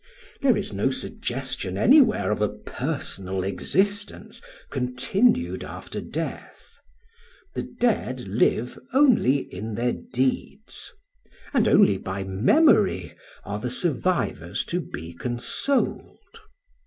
There is no suggestion anywhere of a personal existence continued after death; the dead live only in their deeds; and only by memory are the survivors to be consoled.